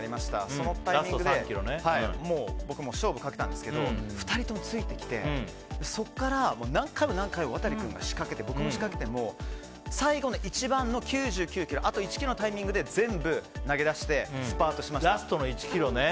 そのタイミングで僕も勝負をかけたんですけど２人ともついてきて、そこから何回も何回もワタリ君が仕掛けて僕も仕掛けて、最後の９９ｋｍあと１ｋｍのタイミングで全部投げ出してラストの１ｋｍね。